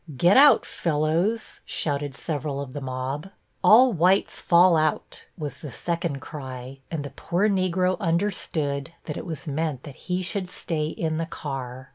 "Get out, fellows," shouted several of the mob. "All whites fall out," was the second cry, and the poor Negro understood that it was meant that he should stay in the car.